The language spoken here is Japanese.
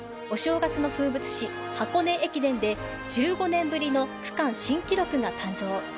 お正月の風物詩、箱根駅伝で、１５年ぶりの区間新記録が誕生。